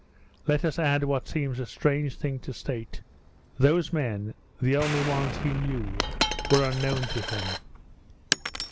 Let us add what seems a strange thing to state. Those men, the only ones he knew, were unknown to him.